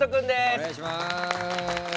お願いします。